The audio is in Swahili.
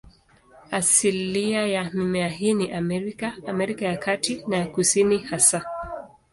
Asilia ya mimea hii ni Amerika, Amerika ya Kati na ya Kusini hasa.